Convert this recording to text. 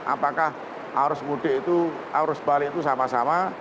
apakah arus mudik itu arus balik itu sama sama